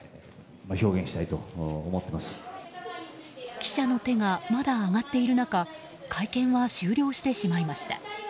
記者の手がまだ挙がっている中会見は終了してしまいました。